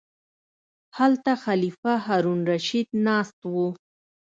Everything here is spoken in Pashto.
هلته خلیفه هارون الرشید ناست و.